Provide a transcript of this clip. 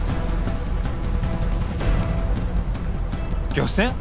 漁船？